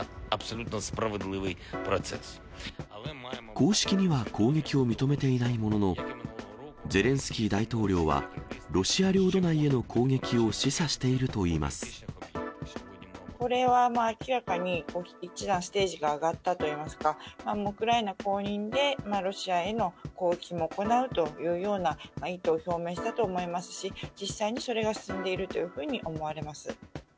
公式には攻撃を認めていないものの、ゼレンスキー大統領はロシア領土内への攻撃を示唆しているといいこれは明らかに、一段ステージが上がったといいますか、ウクライナ公認で、ロシアへの攻撃も行うというような意図を表明したと思いますし、実際にそれが進んでいるというふうに思われます。